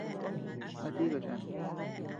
¿A tika cheanud?